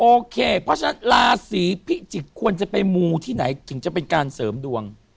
โอเคเพราะฉะนั้นราศีพิจิกษ์ควรจะไปมูที่ไหนถึงจะเป็นการเสริมดวง